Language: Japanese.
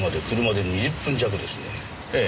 ええ。